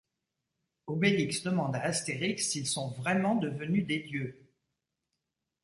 Obélix demande à Astérix s'ils sont vraiment devenus des dieux.